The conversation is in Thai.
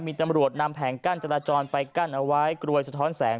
มีตำรวจนำแผงกั้นจราจรไปกั้นเอาไว้กลัวสะท้อนแสง